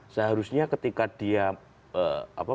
seharusnya ketika dia